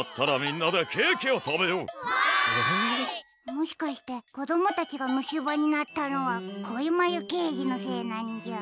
もしかしてこどもたちがむしばになったのはこいまゆけいじのせいなんじゃ。